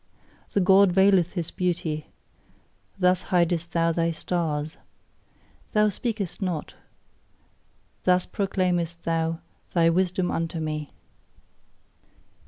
The God veileth his beauty: thus hidest thou thy stars. Thou speakest not: THUS proclaimest thou thy wisdom unto me.